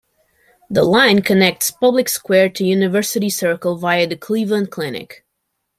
The line connects Public Square to University Circle via the Cleveland Clinic.